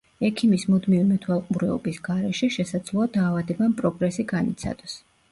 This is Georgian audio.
ექიმის მუდმივი მეთვალყურეობის გარეშე, შესაძლოა, დაავადებამ პროგრესი განიცადოს.